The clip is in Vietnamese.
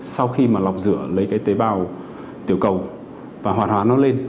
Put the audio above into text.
sau khi mà lọc rửa lấy cái tế bào tiểu cầu và hoàn hóa nó lên